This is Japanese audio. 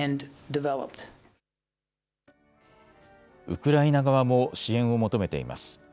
ウクライナ側も支援を求めています。